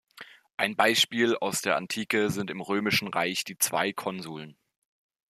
Ein Beispiel aus der Antike sind im Römischen Reich die zwei Konsuln.